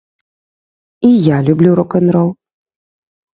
І я люблю рок-н-рол.